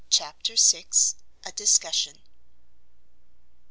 CHAPTER vi. A DISCUSSION.